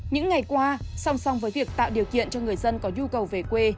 những ngày qua song song với việc tạo điều kiện cho người dân có nhu cầu về quê